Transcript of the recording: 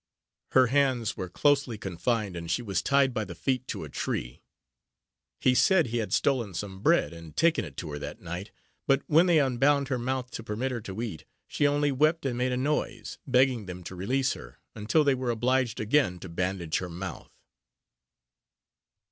Her hands were closely confined, and she was tied by the feet to a tree. He said he had stolen some bread, and taken it to her that night; but when they unbound her mouth to permit her to eat, she only wept and made a noise, begging them to release her, until they were obliged again to bandage her mouth.